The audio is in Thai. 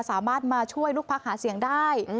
สามารถมาช่วยลูกพักหาเสียงได้